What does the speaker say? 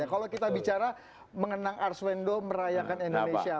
kalau kita bicara mengenang arswendo merayakan indonesia